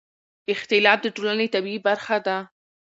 اختلاف د ټولنې طبیعي برخه ده